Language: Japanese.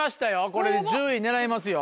これで１０位狙えますよ